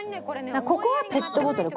ここは「ペットボトル」